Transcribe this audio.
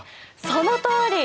そのとおり！